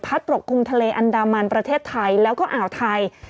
ปกคลุมทะเลอันดามันประเทศไทยแล้วก็อ่าวไทย